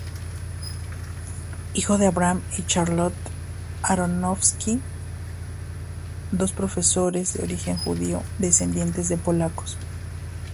Hijo de Abraham y Charlotte Aronofsky, dos profesores de origen judío, descendientes de polacos.